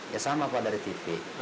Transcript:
ya sama pak dari tv